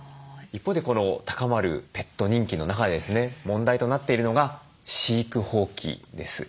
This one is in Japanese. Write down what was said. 一方でこの高まるペット人気の中でですね問題となっているのが飼育放棄です。